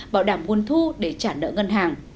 bảo đảm nguồn thu để trả nợ ngân hàng